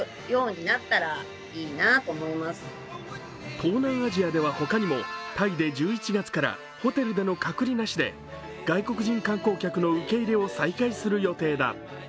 東南アジアではほかにもタイで１１月からホテルでの隔離なしで外国人観光客の受け入れを再開する予定だ。